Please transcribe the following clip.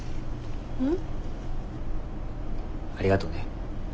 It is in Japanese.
うん？ありがとね。